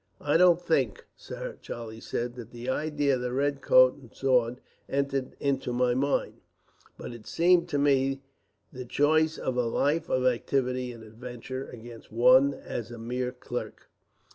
"I don't think, sir," Charlie said, "that the idea of the red coat and sword entered into my mind; but it seemed to me the choice of a life of activity and adventure, against one as a mere clerk."